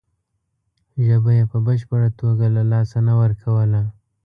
ژبه یې په بشپړه توګه له لاسه نه ورکوله.